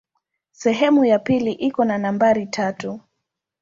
Sehemu ya pili iko na nambari tatu.